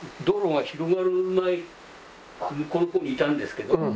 道路が広がる前向こうの方にいたんですけど。